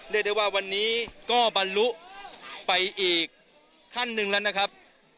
เรียกได้ว่าวันนี้ก็บรรลุไปอีกขั้นหนึ่งแล้วนะครับ